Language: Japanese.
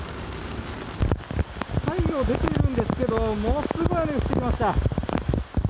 太陽出ているんですけれども、ものすごい雨が降ってきました。